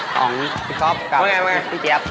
ของพี่กอล์ฟกับพี่เกี๊ยบ